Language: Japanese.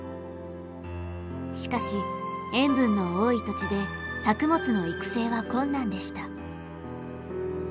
しかし塩分の多い土地で作物の育成は困難でした。